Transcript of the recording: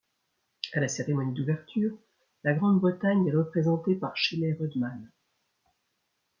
À la cérémonie d'ouverture, la Grande-Bretagne est représentée par Shelley Rudman.